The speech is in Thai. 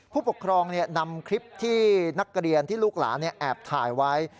ผู้ปกครองนำคลิปที่นักเรียนที่ลูกหลานแอบถ่ายไว้